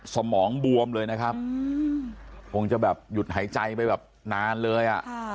สมองบวมเลยนะครับคงจะแบบหยุดหายใจไปแบบนานเลยอ่ะ